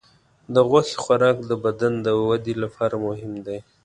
د غوښې خوراک د بدن د وده لپاره مهم دی.